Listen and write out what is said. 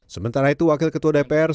sementara itu wakil ketua dpr